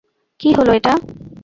কী হলো এটা!